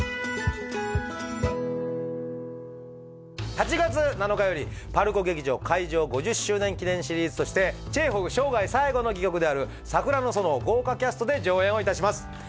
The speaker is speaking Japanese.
８月７日よりＰＡＲＣＯ劇場開場５０周年記念シリーズとしてチェーホフ生涯最後の戯曲である「桜の園」を豪華キャストで上演をいたします